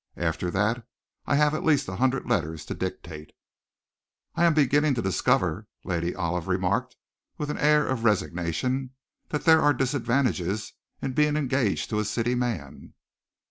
After that I have at least a hundred letters to dictate." "I am beginning to discover," Lady Olive remarked, with an air of resignation, "that there are disadvantages in being engaged to a city man."